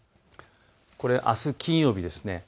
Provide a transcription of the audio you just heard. これ、あす金曜日です。